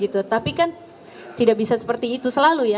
tapi kan tidak bisa seperti itu selalu ya